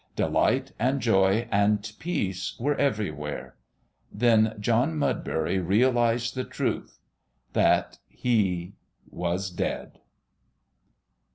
Delight and Joy and Peace were everywhere. Then John Mudbury realised the truth that he was dead.